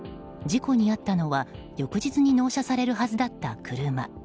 事故に遭ったのは翌日に納車されるはずだった車。